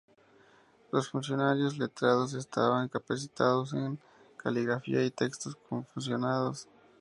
Los funcionarios letrados estaban capacitados en caligrafía y textos confucianos.